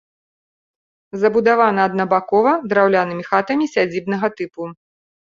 Забудавана аднабакова драўлянымі хатамі сядзібнага тыпу.